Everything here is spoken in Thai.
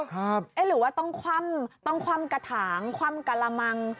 หรือว่าต้องคว่ำกระถางคว่ำกระละมัง